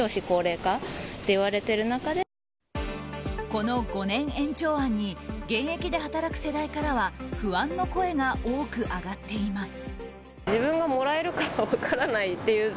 この５年延長案に現役で働く世代からは不安の声が多く上がっています。